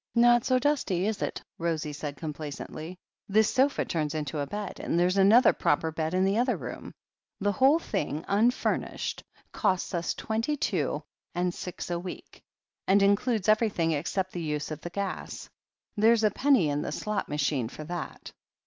"Not so dusty, is it?" Rosie said complacently. "This sofa turns into a bed, and there's another proper bed in the other room. The whole thing — unfurnished — costs us twenty two and six a week, and includes everything except the use of the gas. There's a penny in the slot machine for that.